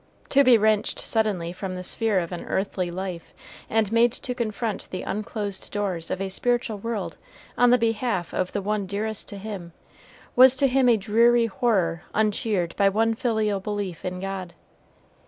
To be wrenched suddenly from the sphere of an earthly life and made to confront the unclosed doors of a spiritual world on the behalf of the one dearest to him, was to him a dreary horror uncheered by one filial belief in God.